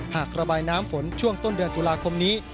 หากระบายน้ำฝนช่วงต้นเดือนตุลาคมนี้